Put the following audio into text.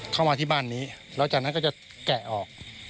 เข้ามาที่บ้านนี้แล้วจากนั้นก็จะแกะออก